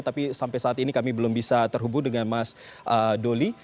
tapi sampai saat ini kami belum bisa terhubung dengan mas doli